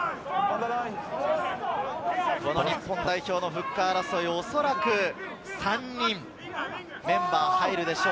日本代表のフッカー争い、おそらく３人、メンバーに入るでしょう。